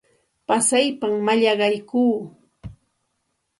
Pasaypam mallaqaykuu.